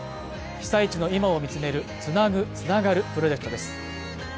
被災地の今を見つめる「つなぐ、つながる」プロジェクトです。